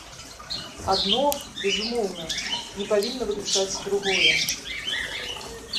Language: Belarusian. Адно, безумоўна, не павінна выключаць другое.